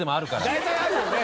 大体あるよね。